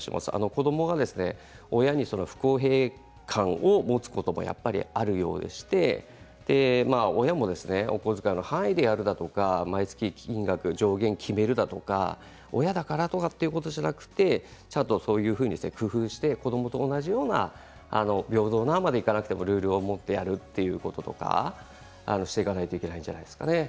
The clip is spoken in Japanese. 子どもが親に不公平感を持つこともやっぱりあるようですし親もお小遣いの範囲でやるとか毎月上限を決めてあげるとか親だからとかじゃなくってちゃんと工夫して子どもと同じような、平等な、まではいかないけどルールを持ってやることとかしていかないといけないんじゃないですかね。